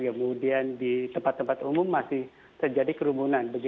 kemudian di tempat tempat umum masih terjadi kerumunan